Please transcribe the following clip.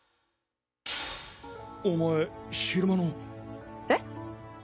お前昼間の。え？